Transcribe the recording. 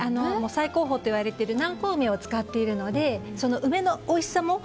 最高峰といわれている南高梅を使っているのでその梅のおいしさも。